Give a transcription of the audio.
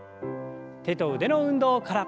手と腕の運動から。